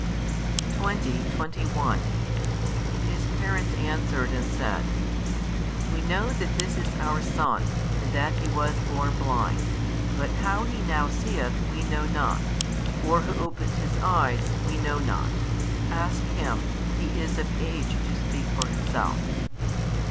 20, 21 His parents answered and said, We know that this is our son, and that he was born blind: but how he now seeth, we know not; or who opened his eyes, we know not: ask him; he is of age to speak for himself.